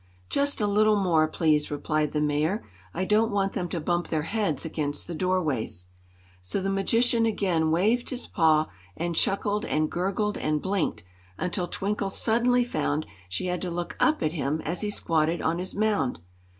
"Just a little more, please," replied the Mayor; "I don't want them to bump their heads against the doorways." So the magician again waved his paw and chuckled and gurgled and blinked, until Twinkle suddenly found she had to look up at him as he squatted on his mound.